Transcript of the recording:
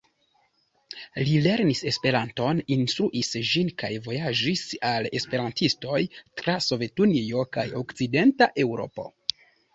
Li lernis Esperanton, instruis ĝin kaj vojaĝis al esperantistoj tra Sovetunio kaj okcidenta Eŭropo.